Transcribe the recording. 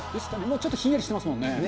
ちょっとひんやりしてますもんね。